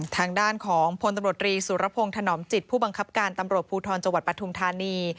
ทางด้านของพลตำรวจรีสุรพงศ์ถนอมจิตผู้บังคับการตำรวจภูทรจังหวัดปทุมธานี